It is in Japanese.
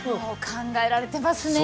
考えられてますね！